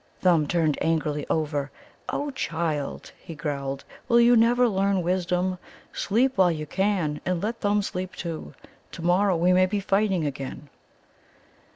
Thumb turned angrily over. "Oh, child!" he growled, "will you never learn wisdom? Sleep while you can, and let Thumb sleep too! To morrow we may be fighting again."